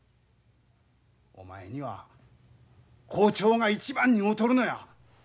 お前には校長が一番似合うとるのや。